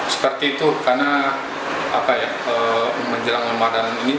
seperti itu karena menjelang ramadan ini